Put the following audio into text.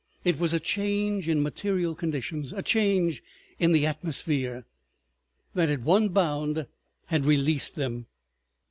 It was a change in material conditions, a change in the atmosphere, that at one bound had released them.